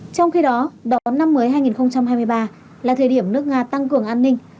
trong khi đó đón năm mới hai nghìn hai mươi ba là thời điểm nước nga tăng cường an ninh